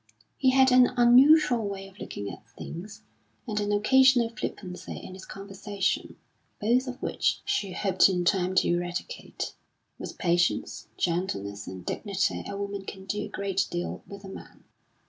He had an unusual way of looking at things, and an occasional flippancy in his conversation, both of which she hoped in time to eradicate. With patience, gentleness, and dignity a woman can do a great deal with a man.